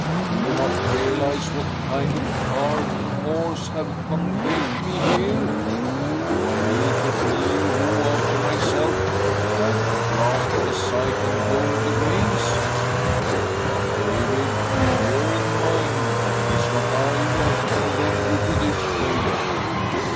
" Do you not realise what kind of cart and horse have conveyed me here ? Do I need to tell you who, after myself, will have to grasp the scythe and hold the reins ?. But, David, bear in mind that it is not I who have condemned you to this fate.